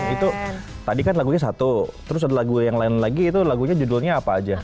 itu tadi kan lagunya satu terus ada lagu yang lain lagi itu lagunya judulnya apa aja